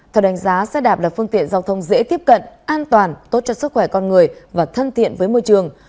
theo đánh giá xe đạp là phương tiện giao thông dễ tiếp cận an toàn tốt cho sức khỏe con người và thân thiện với môi trường